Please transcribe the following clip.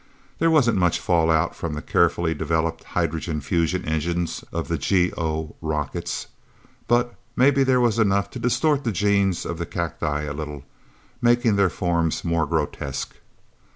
There wasn't much fallout from the carefully developed hydrogen fusion engines of the GO rockets, but maybe there was enough to distort the genes of the cacti a little, making their forms more grotesque.